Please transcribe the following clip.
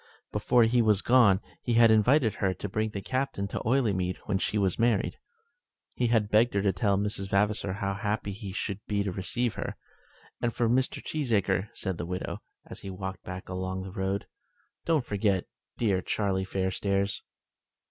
Before he was gone he had invited her to bring the Captain to Oileymead when she was married, and had begged her to tell Miss Vavasor how happy he should be to receive her. "And Mr. Cheesacre," said the widow, as he walked back along the road, "don't forget dear Charlie Fairstairs."